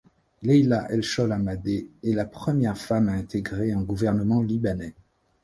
Leila El Solh Hamadé est la première femme à intégrer un gouvernement libanais.